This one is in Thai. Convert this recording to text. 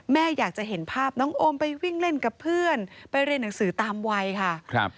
แม่อยากจะเห็นภาพน้องโอมไปวิ่งเล่นกับเพื่อนไปเรียนหนังสือตามวัยค่ะครับ